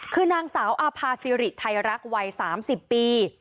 คือนางสาวอาภาษิริไทยรักวัย๓๐ปี